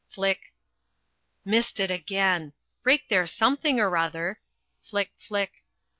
Flick missed it again! Break their something or other Flick, flick!